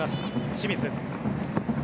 清水。